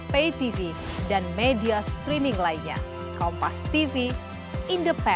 banyak banyak sampai dipulangin gedung satu